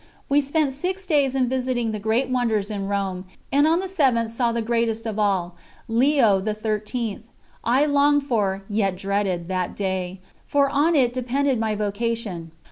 We spent six days in visiting the great wonders in Rome, and on the seventh saw the greatest of all Leo XIII. I longed for, yet dreaded, that day, for on it depended my vocation.